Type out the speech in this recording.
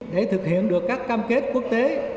để thực hiện được các cam kết quốc tế